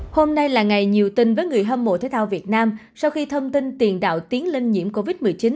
hôm nay là ngày nhiều tin với người hâm mộ thể thao việt nam sau khi thông tin tiền đạo tiến lên nhiễm covid một mươi chín